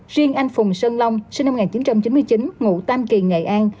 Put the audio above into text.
riêng anh phùng sơn long sinh năm một nghìn chín trăm chín mươi chín ngụ tam kỳ nghệ an